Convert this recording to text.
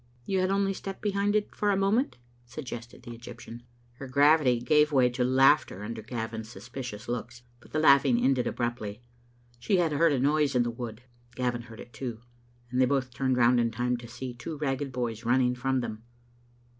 You had only stepped behind it for a moment," sug gested the Egyptian. Her gravity gave way to laughter under Gavin's sus picious looks, but the laughing ended abruptly. She had heard a noise in the wood, Gavin heard it too, and they both turned round in time to see two ragged boys running from them.